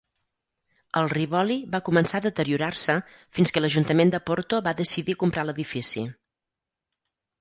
El Rivoli va començar a deteriorar-se fins que l'Ajuntament de Porto va decidir comprar l'edifici.